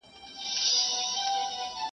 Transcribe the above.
هسي نه چي دي د ژوند وروستی سفر سي -